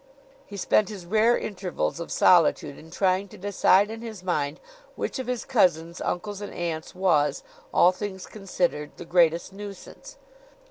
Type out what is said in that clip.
He spent his rare intervals of solitude in trying to decide in his mind which of his cousins, uncles and aunts was, all things considered, the greatest nuisance.